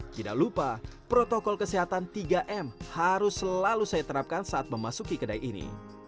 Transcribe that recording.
tidak lupa protokol kesehatan tiga m harus selalu saya terapkan saat memasuki kedai ini